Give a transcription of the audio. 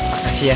terima kasih ya